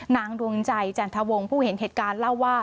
ดวงใจจันทวงศ์ผู้เห็นเหตุการณ์เล่าว่า